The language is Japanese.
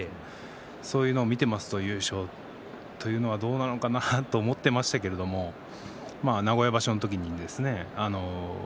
そういうのを見ていますと優勝というのは、どうなのかなと思っていましたけれど名古屋場所に。